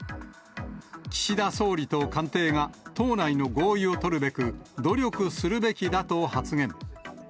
岸田総理と官邸が、党内の合意を取るべく、努力するべきだと発言。